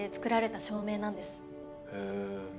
へえ。